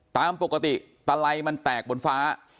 ตามปกติตะไลมันแตกบนฟ้า